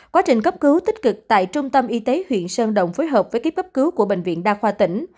quá trình cấp cứu tích cực tại trung tâm y tế huyện sơn động phối hợp với các cấp cứu của bệnh viện đa khoa tỉnh